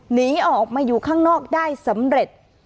หนีออกมาอยู่ข้างนอกได้สำเร็จ